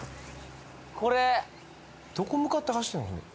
これどこ向かって走ってんの？